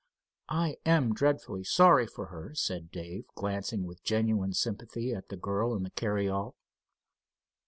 "I am dreadfully sorry for her," said Dave, glancing with genuine sympathy at the girl in the carryall.